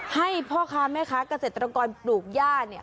ให้พ่อค้าแม่ค้าเกษตรกรปลูกย่าเนี่ย